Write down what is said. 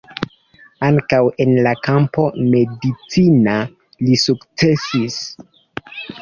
Ankaŭ en la kampo medicina li sukcesis.